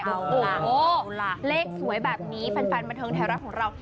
โอ้โหเลขสวยแบบนี้แฟนบันเทิงไทยรัฐของเรา